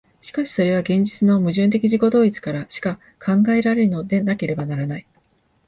しかしそれは現実の矛盾的自己同一からしか考えられるのでなければならない。